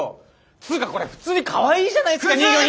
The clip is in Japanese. つかこれ普通にかわいいじゃないですか人魚姫。